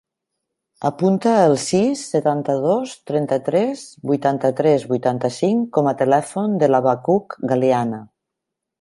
Apunta el sis, setanta-dos, trenta-tres, vuitanta-tres, vuitanta-cinc com a telèfon de l'Habacuc Galiana.